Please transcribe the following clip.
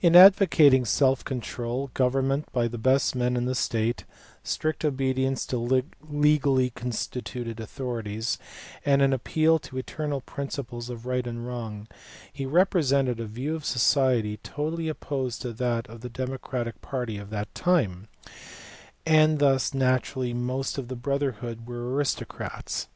In advocating self control, government by the best men in the state, strict obedience to legally constituted authorities, and an appeal to eternal principles of right and wrong, he represented a view of society totally opposed to that of the democratic party of that time, and thus naturally most of the brotherhood were aris tocrats.